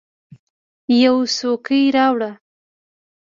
یوه څوکۍ راوړه !